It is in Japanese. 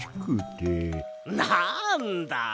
なんだ！